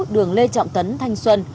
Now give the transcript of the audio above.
đường lê trọng tấn thanh xuân